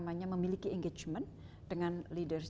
namanya memiliki engagement dengan leaders